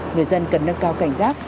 người dân cần nâng cao cảnh giác